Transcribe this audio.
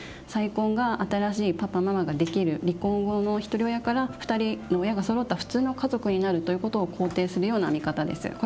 再婚が新しいパパママができる離婚後のひとり親から２人の親がそろった普通の家族になるということを肯定するような見方です。